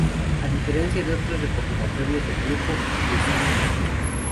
A diferencia de otros recopilatorios del grupo, "Mr.